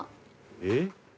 えっ？